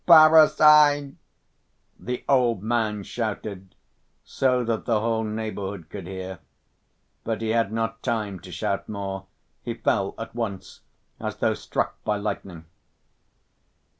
"Parricide!" the old man shouted so that the whole neighborhood could hear, but he had not time to shout more, he fell at once, as though struck by lightning.